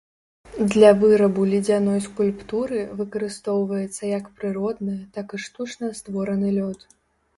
Для вырабу ледзяной скульптуры выкарыстоўваецца як прыродны, так і штучна створаны лёд.